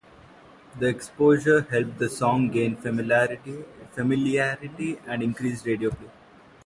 The exposure helped the song gain familiarity and increased radio play.